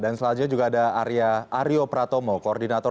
dan selanjutnya juga ada aryo pratomo